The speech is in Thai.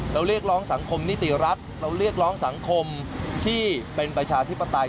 เรียกร้องสังคมนิติรัฐเราเรียกร้องสังคมที่เป็นประชาธิปไตย